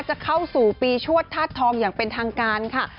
จะเข้าสู่ปีชวดธาตุทองอย่างเป็นทางการค่ะ